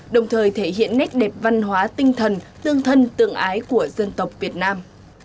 đồng thời thể hiện nét đẹp văn hóa tinh thần tương thân tương ái của dân tộc việt nam